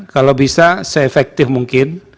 kalau bisa se efektif mungkin